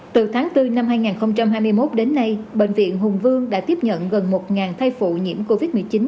từ tháng bốn năm hai nghìn hai mươi một đến nay bệnh viện hùng vương đã tiếp nhận gần một thai phụ nhiễm covid một mươi chín